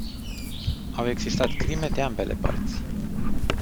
Au existat crime de ambele părți.